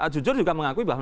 jujur juga mengakui bahwa